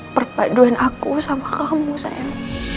perpaduan aku sama kamu sayang